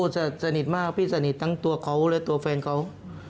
สนิทมากพี่สนิททั้งตัวเขาและตัวแฟนเขา